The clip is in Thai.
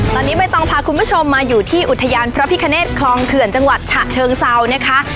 ตอนนี้ใบตองพาคุณผู้ชมมาอยู่ที่อุทยานพระพิคเนตคลองเขื่อนจังหวัดฉะเชิงเซานะคะ